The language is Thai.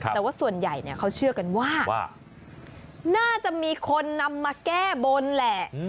แต่ว่าส่วนใหญ่เขาเชื่อกันว่าน่าจะมีคนนำมาแก้บนแหละ